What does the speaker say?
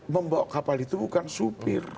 membawa kapal itu bukan supir